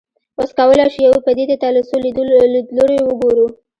اوس کولای شو یوې پدیدې ته له څو لیدلوریو وګورو.